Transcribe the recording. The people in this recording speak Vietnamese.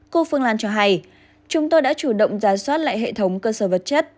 cô phương lan cho hay chúng tôi đã chủ động ra soát lại hệ thống cơ sở vật chất